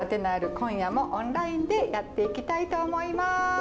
今夜もオンラインでやっていきたいと思います。